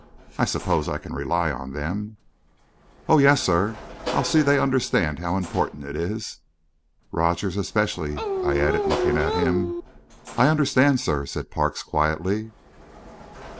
I suppose I can rely on them?" "Oh, yes, sir. I'll see they understand how important it is." "Rogers, especially," I added, looking at him. "I understand, sir," said Parks, quietly.